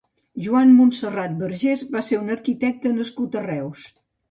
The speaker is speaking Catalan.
Joan Montserrat Vergés va ser un arquitecte nascut a Reus.